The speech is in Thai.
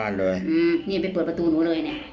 นี่ไงไปเปิดประตูหนูเลยนะ